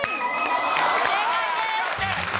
正解です。